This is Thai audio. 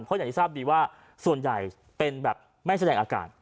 เพราะอย่างที่ทราบดีว่าส่วนใหญ่เป็นแบบไม่แสดงอากาศ